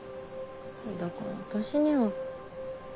だから私には。